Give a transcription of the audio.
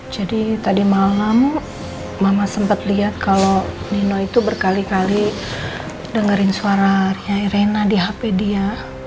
jadi tadi malam mama sempat lihat kalau nino itu berkali kali dengerin suara nyai rena di hp dia